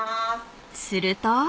［すると］